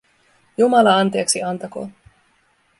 Jumala anteeksi antakoon.